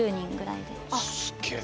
すげえ。